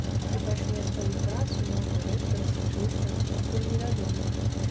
Ці пачне сваю працу новы рэктар з чыстак, пакуль не вядома.